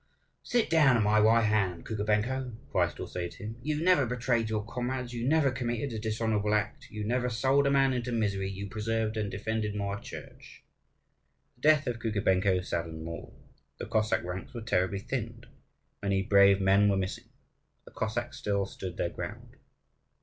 "Sit down at my right hand, Kukubenko," Christ will say to him: "you never betrayed your comrades, you never committed a dishonourable act, you never sold a man into misery, you preserved and defended my church." The death of Kukubenko saddened them all. The Cossack ranks were terribly thinned. Many brave men were missing, but the Cossacks still stood their ground.